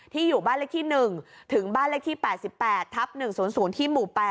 อยู่บ้านเลขที่๑ถึงบ้านเลขที่๘๘ทับ๑๐๐ที่หมู่๘